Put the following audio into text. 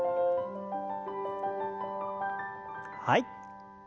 はい。